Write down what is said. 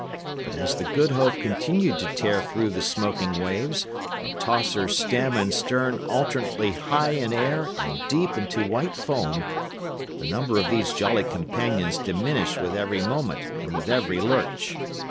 But as the Good Hope continued to tear through the smoking waves, and toss her stem and stern alternately high in air and deep into white foam, the number of these jolly companions diminished with every moment and with every lurch.